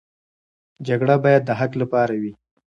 جګړه باید د حق لپاره وي.